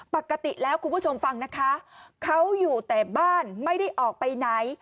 ปกติแล้วคุณผู้ชมฟังนะคะเขาอยู่แต่บ้านไม่ได้ออกไปไหน